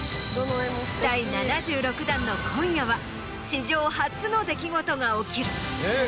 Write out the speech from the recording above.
第７６弾の今夜は史上初の出来事が起きる！